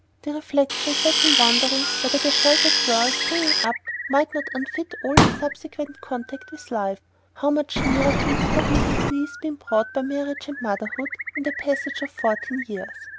The reflection set him wondering whether the "sheltered" girl's bringing up might not unfit her for all subsequent contact with life. How much nearer to it had Mrs. Leath been brought by marriage and motherhood, and the passage of fourteen years?